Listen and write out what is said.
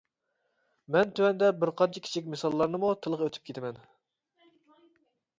مەن تۆۋەندە بىر قانچە كىچىك مىساللارنىمۇ تىلغا ئۆتۈپ كېتىمەن.